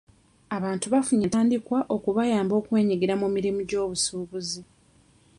Abantu bafunye entandikwa okubayamba okwenyigira mu mirimu gy'obusuubuzi.